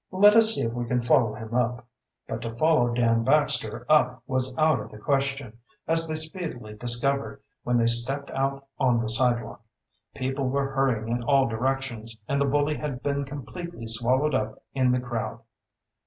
"Let us see if we can follow him up." But to follow Dan Baxter up was out of the question, as they speedily discovered when they stepped out on the sidewalk. People were hurrying in all directions, and the bully had been completely swallowed up in the crowd.